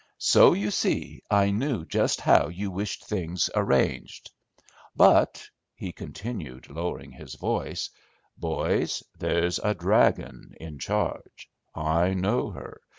So, you see, I knew just how you wished things arranged; but," he continued, lowering his voice, "boys, there's a dragon in charge. I know her.